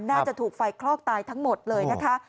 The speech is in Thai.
น่าจะถูกไฟคลอกตายทั้งหมดเลยนะคะ